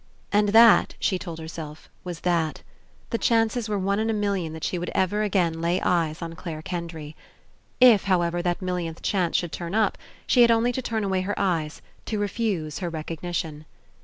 And that, she told herself, was that. The chances were one in a million that she would ever again lay eyes on Clare Kendry. If, however, that millionth chance should turn up, she had only to turn away her eyes, to refuse her recognition.